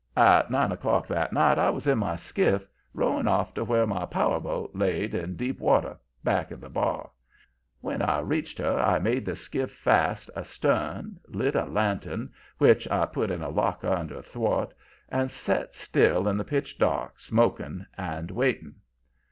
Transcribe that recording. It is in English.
"At nine o'clock that night I was in my skiff, rowing off to where my power boat laid in deep water back of the bar. When I reached her I made the skiff fast astern, lit a lantern, which I put in a locker under a thwart, and set still in the pitch dark, smoking and waiting.